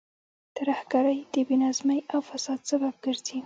ترهګرۍ د بې نظمۍ او فساد سبب ګرځي.